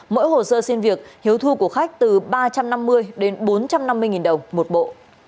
mỗi hồ sơ xin việc hiếu thu của khách từ ba trăm năm mươi đến bốn trăm năm mươi đồng một bộ